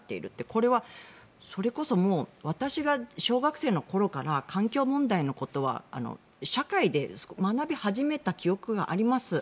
これはそれこそ私が小学生の頃から環境問題のことは、社会で学び始めた記憶があります。